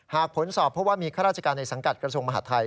ผลสอบเพราะว่ามีข้าราชการในสังกัดกระทรวงมหาดไทย